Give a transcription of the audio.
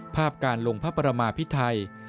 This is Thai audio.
ภาพการลงพระประมาพิไทย